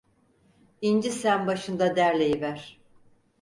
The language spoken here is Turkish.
İnci sen başında derleyiver.